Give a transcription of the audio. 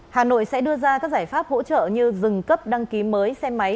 hà nội sẽ đưa ra các giải pháp hỗ trợ như dừng cấp đăng ký mới xe máy